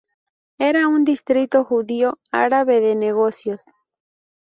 Era un distrito judío-árabe de negocios.